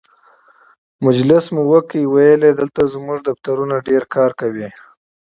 مجلس مو وکړ، ویل یې دلته زموږ دفترونه ډېر کار کوي.